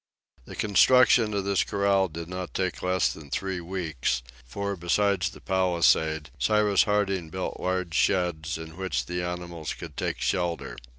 The construction of this corral did not take less than three weeks, for besides the palisade, Cyrus Harding built large sheds, in which the animals could take shelter.